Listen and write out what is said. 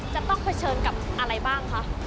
จะต้องเผชิญกับอะไรบ้างคะ